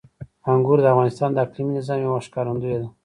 انګور د افغانستان د اقلیمي نظام یوه ښکارندوی ده.